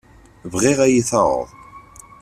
Bɣiɣ ad iyi-taɣeḍ.